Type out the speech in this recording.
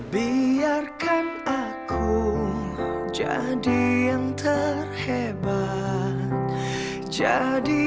siapa sih lo